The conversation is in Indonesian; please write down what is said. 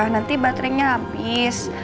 nanti baterenya abis